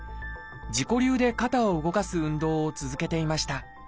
自己流で肩を動かす運動を続けていました。